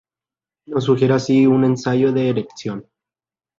Nos sugiere así un ensayo de erección.